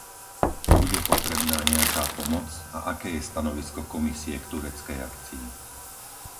Bude potrebná nejaká pomoc a aké je stanovisko Komisie k tureckej akcii?